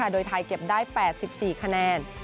โดยไทยเก็บได้๘๔คะแนน